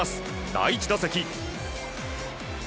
第１打席。